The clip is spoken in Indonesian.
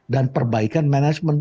dan perbaikan manajemen